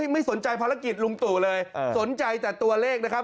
ไม่สนใจภารกิจลุงตู่เลยสนใจแต่ตัวเลขนะครับ